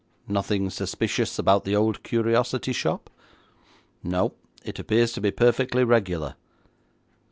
'Nothing suspicious about the old curiosity shop?' 'No. It appears to be perfectly regular.'